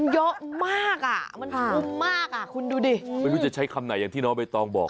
เยอะมากอ่ะมันคุ้มมากอ่ะคุณดูดิไม่รู้จะใช้คำไหนอย่างที่น้องใบตองบอก